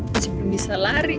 masih belum bisa lari